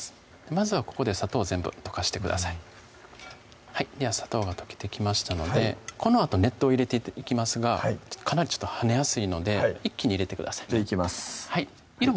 まずはここで砂糖を全部溶かしてくださいでは砂糖が溶けてきましたのでこのあと熱湯入れていきますがかなり跳ねやすいので一気に入れてくださいじゃあいきます